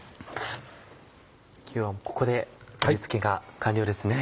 今日はもうここで味付けが完了ですね。